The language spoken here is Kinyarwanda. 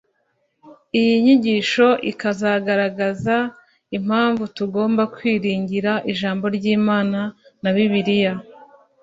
” iyi nyigisho ikazagaragaza impamvu tugomba kwiringira ijambo ry’Imana na bibiliya